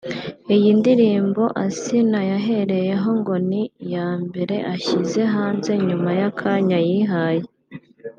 Iyi ndirimbo Asinah yahereyeho ngo ni iya mbere ashyize hanze nyuma y'akanya yihaye